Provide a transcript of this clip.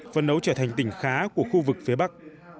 phân đấu trở thành tỉnh khá của khu vực phía bắc